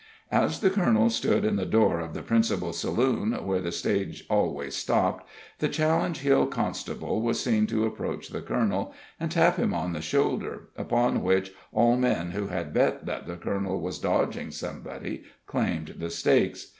As the colonel stood in the door of the principal saloon, where the stage always stopped, the Challenge Hill constable was seen to approach the colonel, and tap him on the shoulder, upon which all men who had bet that the colonel was dodging somebody claimed the stakes.